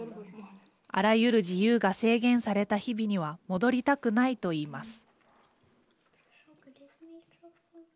あらゆる自由が制限された日々には戻りたくないと言います。